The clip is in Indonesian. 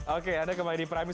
oke anda kembali di prime news